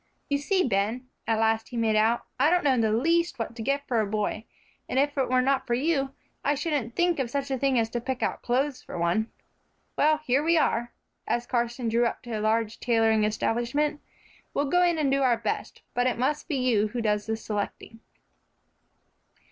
"You see, Ben," at last he made out, "I don't know in the least what to get for a boy, and if it were not for you, I shouldn't think of such a thing as to pick out clothes for one. Well, here we are," as Carson drew up to a large tailoring establishment. "We'll go in and do our best, but it must be you who does the selecting."